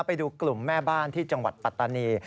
ไปดูกลุ่มแม่บ้านที่จังหวัดปัตตานี